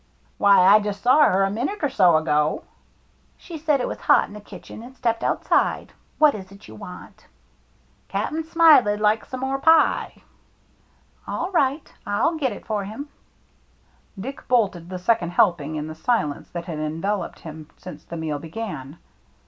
" Why, I just saw her a minute or so ago." "She said it was hot in the kitchen and stepped outside. What is it you want ?"" Cap'n Smiley'd like some more pie." "All right, I'll get it for him." Dick bolted the second helping in the silence that had enveloped him since the meal began.